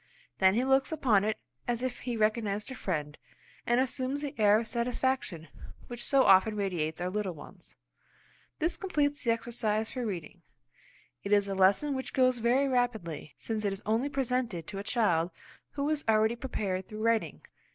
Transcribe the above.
Then he looks upon it as if he recognised a friend and assumes that air of satisfaction which so often radiates our little ones. This completes the exercise for reading; It is a lesson which goes very rapidly, since it is only presented to a child who is already prepared through writing.